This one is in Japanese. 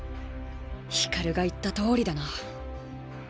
光が言ったとおりだな。